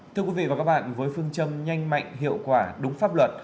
thưa quý vị và các bạn với phương châm nhanh mạnh hiệu quả đúng pháp luật